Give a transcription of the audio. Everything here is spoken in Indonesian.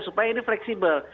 supaya ini fleksibel